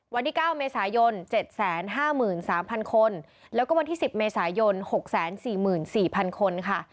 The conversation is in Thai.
วันที่๙เมษายน๗๕๓๐๐คนแล้วก็วันที่๑๐เมษายน๖๔๔๐๐คนค่ะ